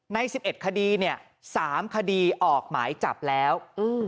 ในสิบเอ็ดคดีเนี่ยสามคดีออกหมายจับแล้วอืม